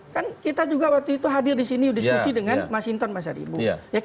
kan kita juga waktu itu hadir disini diskusi dengan mas hinton mas harimu